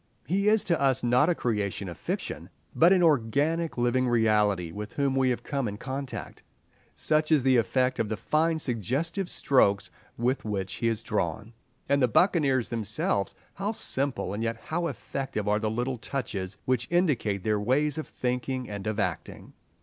He is to us not a creation of fiction, but an organic living reality with whom we have come in contact; such is the effect of the fine suggestive strokes with which he is drawn. And the buccaneers themselves, how simple and yet how effective are the little touches which indicate their ways of thinking and of acting.